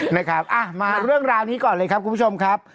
นะครับมาเรื่องราวนี้ก่อนเลยครับคุณผู้ชมครับ